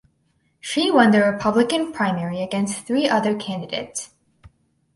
She won the Republican primary against three other candidates.